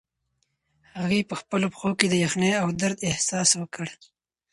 هغې په خپلو پښو کې د یخنۍ او درد احساس وکړ.